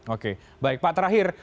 oke baik pak terakhir